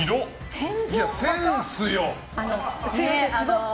センスよ。